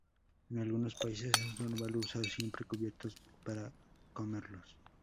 En algunos países es normal usar siempre cubiertos para comerlos.